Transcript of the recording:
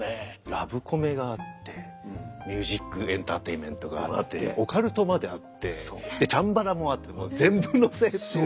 ラブコメがあってミュージックエンターテインメントがあってオカルトまであってチャンバラもあってもう全部乗せっていう。